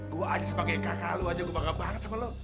gue aja sebagai kakak lo aja gue bangga banget sama lo